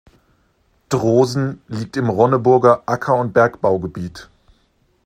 Drosen liegt im Ronneburger Acker- und Bergbaugebiet.